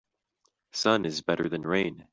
Sun is better than rain.